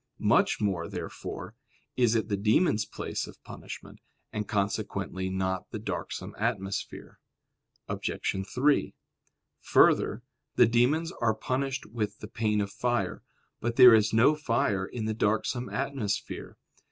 Much more, therefore, is it the demons' place of punishment; and consequently not the darksome atmosphere. Obj. 3: Further, the demons are punished with the pain of fire. But there is no fire in the darksome atmosphere.